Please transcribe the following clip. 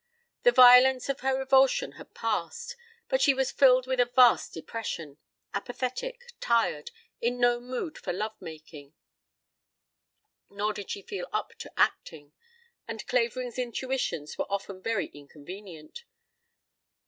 The violence of her revulsion had passed, but she was filled with a vast depression, apathetic, tired, in no mood for love making. Nor did she feel up to acting, and Clavering's intuitions were often very inconvenient.